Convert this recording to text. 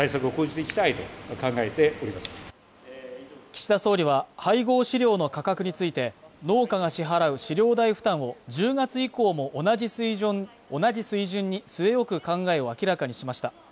岸田総理は配合飼料の価格について農家が支払う飼料代負担を１０月以降も同じ水準に据え置く考えを明らかにしました。